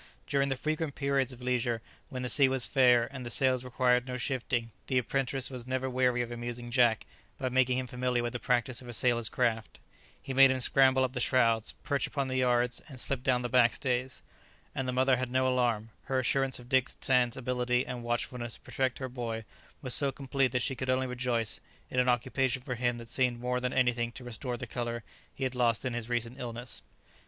During the frequent periods of leisure, when the sea was fair, and the sails required no shifting, the apprentice was never weary of amusing Jack by making him familiar with the practice of a sailor's craft; he made him scramble up the shrouds, perch upon the yards, and slip down the back stays; and the mother had no alarm; her assurance of Dick Sands' ability and watchfulness to protect her boy was so complete that she could only rejoice in an occupation for him that seemed more than anything to restore the colour he had lost in his recent illness.